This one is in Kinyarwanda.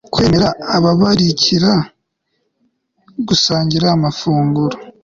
kwemerera ababararikira gusangira amafunguro